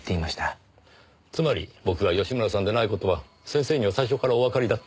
つまり僕が吉村さんでない事は先生には最初からおわかりだった。